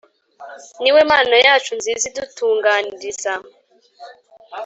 ni we mana yacu nziza idutunganiriza